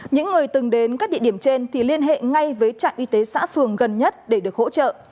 những người từng đến các địa điểm trên thì liên hệ ngay với trạm y tế xã phường gần nhất để được hỗ trợ